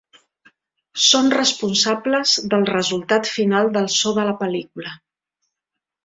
Són responsables del resultat final del so de la pel·lícula.